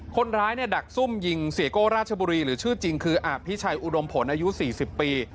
คนร้ายเนี่ยดักซุ่มยิงเสียโก้ราชบุรีหรือชื่อจริงคืออภิชัยอุดมผลอายุ๔๐ปี